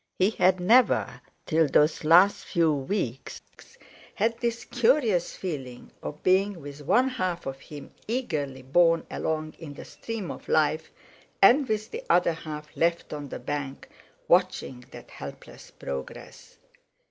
He had never, till those last few weeks, had this curious feeling of being with one half of him eagerly borne along in the stream of life, and with the other half left on the bank, watching that helpless progress.